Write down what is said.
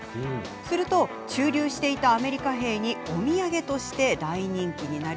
すると、駐留していたアメリカ兵にお土産として大人気に。